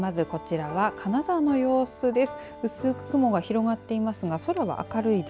まずこちらは金沢の様子です。